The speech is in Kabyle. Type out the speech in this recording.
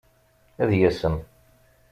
Ad yasem.